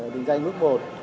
định danh mức một